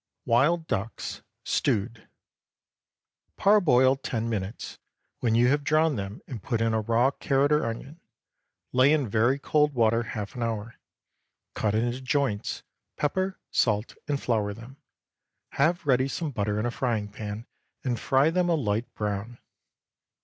WILD DUCKS. (Stewed.) ✠ Parboil ten minutes, when you have drawn them, and put in a raw carrot or onion. Lay in very cold water half an hour. Cut into joints, pepper, salt, and flour them. Have ready some butter in a frying pan, and fry them a light brown.